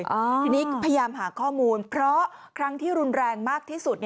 ทีนี้พยายามหาข้อมูลเพราะครั้งที่รุนแรงมากที่สุด